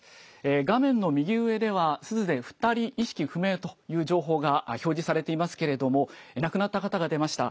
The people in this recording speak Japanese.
画面の右上では珠洲で２人意識不明という情報が表示されていますけれども亡くなった方が出ました。